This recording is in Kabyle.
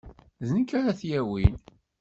D nekk ara t-yawin.